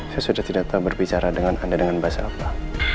saya sudah tidak tahu berbicara dengan anda dengan bahasa apa